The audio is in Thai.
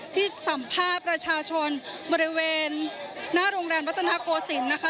ที่สัมภาษณ์ประชาชนบริเวณหน้าโรงแรมรัตนโกศิลป์นะคะ